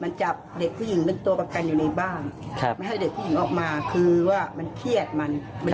มันจับเด็กผู้หญิงเป็นตัวประกันอยู่ในบ้านครับไม่ให้เด็กผู้หญิงออกมาคือว่ามันเครียดมันมัน